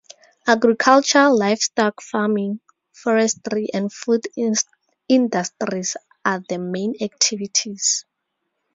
Agriculture, livestock farming, forestry, and food industries are the main activities.